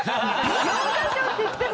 ４カ所っていっても。